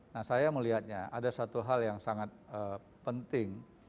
nah saya melihatnya ada satu hal yang sangat penting